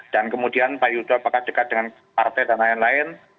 dan kemudian pak yudho apakah dekat dengan partai dan lain lain